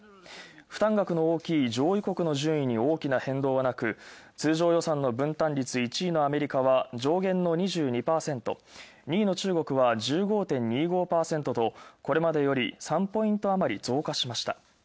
負担額の大きい上位国の順位に大きな変動はなく、通常予算の分担率１位のアメリカは上限の２２．０％、２位の中国は１５．２５％と、これまでより３ポイントあまり増加しました。